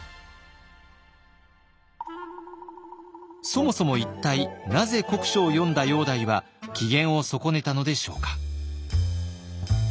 そもそも一体なぜ国書を読んだ煬帝は機嫌を損ねたのでしょうか。